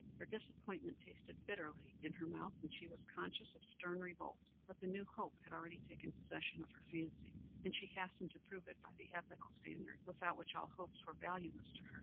Her disappointment tasted bitterly in her mouth, and she was conscious of stern revolt; but the new hope had already taken possession of her fancy, and she hastened to prove it by the ethical standard without which all hopes were valueless to her.